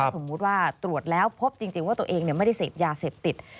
สมมุติว่าตรวจแล้วพบจริงว่าตัวเองไม่ได้เสพยาเสพติด